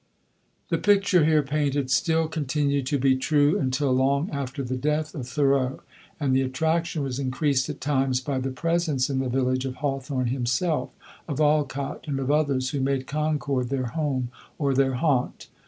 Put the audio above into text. The picture here painted still continued to be true until long after the death of Thoreau; and the attraction was increased at times by the presence in the village of Hawthorne himself, of Alcott, and of others who made Concord their home or their haunt.